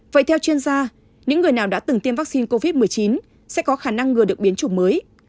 vậy theo chuyên gia những người nào đã từng tiêm vaccine covid một mươi chín sẽ có khả năng ngừa được biến chủng mới